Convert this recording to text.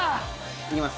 行きます。